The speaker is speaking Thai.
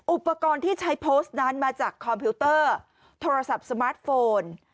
อุปกรณ์ที่ใช้โพสต์นั้นมาจากคอมพิวเตอร์โทรศัพท์สมาร์ทโฟน